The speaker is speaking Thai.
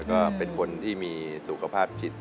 ก็เป็นคนที่มีสุขภาพจิต